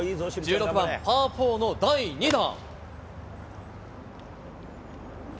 １６番パーフォーの第２打。